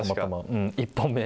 うん、１本目。